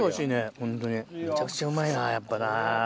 ホントにめちゃくちゃうまいなやっぱな。